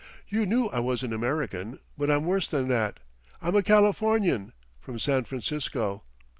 You knew I was an American, but I'm worse than that; I'm a Californian from San Francisco."